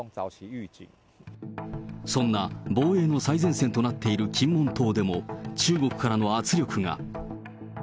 そんな防衛の最前線となっている金門島でも、中国からの圧力が。